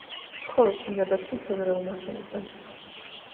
ცხოვრობს ნიადაგში მცენარეულ ნარჩენებზე.